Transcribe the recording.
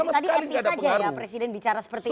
tadi etis saja ya presiden bicara seperti itu